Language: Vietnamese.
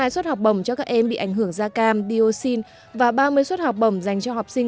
hai suất học bổng cho các em bị ảnh hưởng da cam dioxin và ba mươi suất học bổng dành cho học sinh